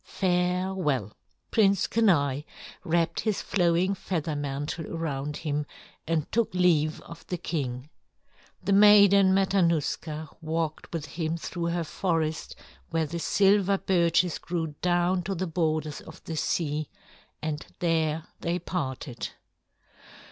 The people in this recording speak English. Farewell." Prince Kenai wrapped his flowing feather mantle around him and took leave of the king. The Maiden Matanuska walked with him through her forest where the silver birches grew down to the borders of the sea, and there they parted.